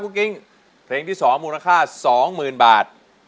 กุ้งกิ๊งเพลงที่สองมูลค่าสองหมื่นบาท